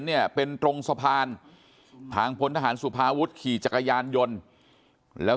เนี่ยเป็นตรงสะพานทางพลทหารสุภาวุฒิขี่จักรยานยนต์แล้ว